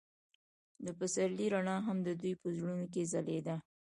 د پسرلی رڼا هم د دوی په زړونو کې ځلېده.